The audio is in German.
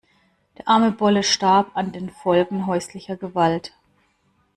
Der arme Bolle starb an den Folgen häuslicher Gewalt.